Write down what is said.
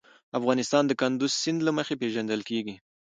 افغانستان د کندز سیند له مخې پېژندل کېږي.